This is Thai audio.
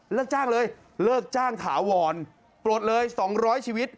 เลิกจ้างเลยเลิกจ้างขาววรโปรดเลยสองร้อยชีวิต